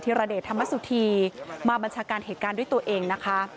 รเดชธรรมสุธีมาบัญชาการเหตุการณ์ด้วยตัวเองนะคะ